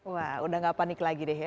wah udah gak panik lagi deh ya